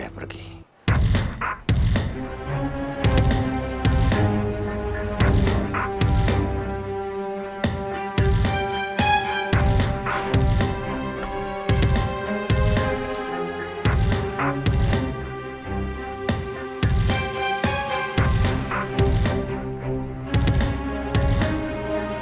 hari ini sama